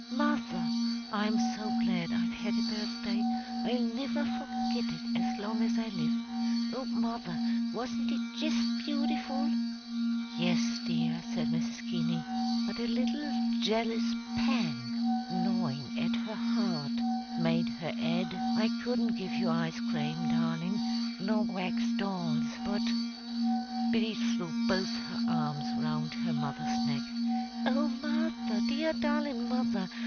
mother! I'm so glad I've had a birthday! I'll niver forget it as long as I live! Oh, mother, wasn't it jist beautiful?" "Yes, dear," said Mrs. Keaney. But a little jealous pang gnawing at her heart made her add, "I couldn't give you ice crame, darlin', nor wax dolls, but " Biddy threw both her arms round her mother's neck. "Oh, mother! dear, darlin' mother!